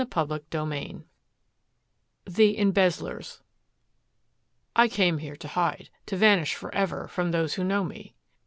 CHAPTER II THE EMBEZZLERS "I came here to hide, to vanish forever from those who know me."